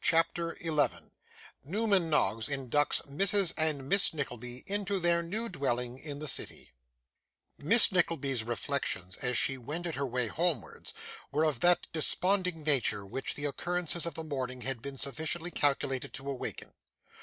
CHAPTER 11 Newman Noggs inducts Mrs. and Miss Nickleby into their New Dwelling in the City Miss Nickleby's reflections, as she wended her way homewards, were of that desponding nature which the occurrences of the morning had been sufficiently calculated to awaken.